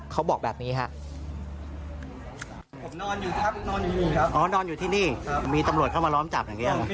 เขาบอกแบบนี้ครับ